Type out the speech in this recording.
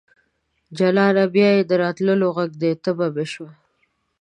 جلانه ! بیا یې د راتللو غږ دی تبه مې شوه